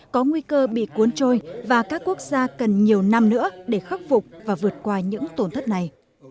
có nguy cơ bị cuốn trôi và các quốc gia cần nhiều năm nữa để khắc phục và vượt qua những tổn thất này